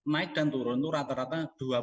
naik dan turun itu rata rata